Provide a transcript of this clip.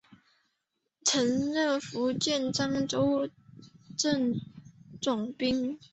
曾任福建漳州镇总兵。